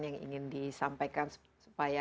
yang ingin disampaikan supaya